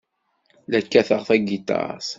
La kkateɣ tagiṭart.